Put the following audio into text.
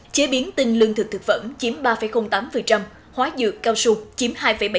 chế biến tinh lương thực thực phẩm chiếm ba tám hóa dược cao su chiếm hai bảy mươi một